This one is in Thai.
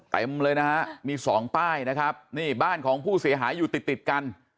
เต็มเลยนะฮะมีสองป้ายนะครับนี่บ้านของผู้เสียหายอยู่ติดติดกัน